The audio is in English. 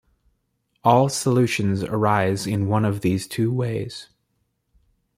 All solutions arise in one of these two ways.